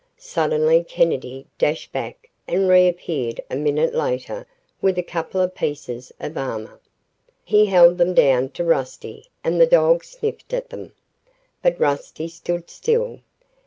Suddenly Kennedy dashed back and reappeared a minute later with a couple of pieces of armor. He held them down to Rusty and the dog sniffed at them. But Rusty stood still.